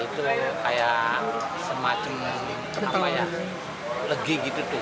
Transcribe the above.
itu kayak semacam legi gitu